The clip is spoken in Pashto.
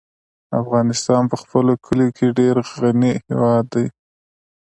افغانستان په خپلو کلیو ډېر غني هېواد دی.